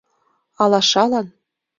Алашалан